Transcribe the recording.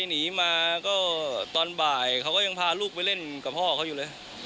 หนีมาก็ตอนบ่ายเขาก็ยังพาลูกไปเล่นกับพ่อเขาอยู่เลย